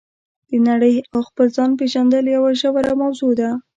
د نړۍ او خپل ځان پېژندل یوه ژوره موضوع ده.